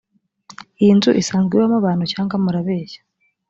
iyi nzu isanzwe ibamo abantu cyangwa murabeshya‽